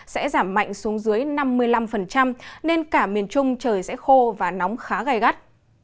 sẽ giảm mạnh xuống dưới năm mươi năm nên cả miền trung trời sẽ khô và nóng khá gai gắt